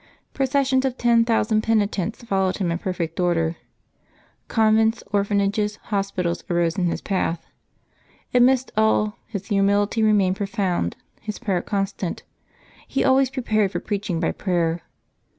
Processions of ten thousand penitents followed him in perfect order. Convents, orphanages, hospitals, arose in his path. Amidst all, his humility remained pro found, his prayer constant. He always prepared for preaching by prayer.